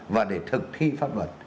và để thực thi pháp luật